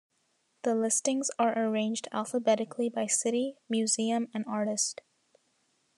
The listings are arranged alphabetically by city, museum and artist.